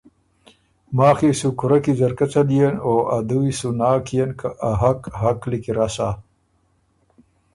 ماخ يې سُو کورۀ کی ځرکۀ څلیېن او ا دُوی سو ناک کيېن که ا حق حق لیکی رسا۔